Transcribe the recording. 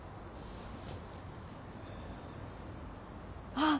あっ！